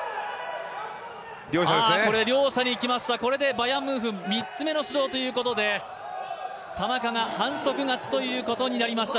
両者に来ました、これでバヤンムンフ３つ目の指導ということで田中が反則勝ちということになりました。